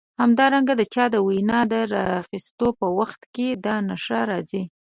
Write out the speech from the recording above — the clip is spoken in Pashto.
همدارنګه د چا د وینا د راخیستلو په وخت کې دا نښه راځي.